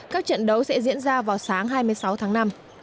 các trận đấu sẽ diễn ra vào sáng hai mươi sáu tháng năm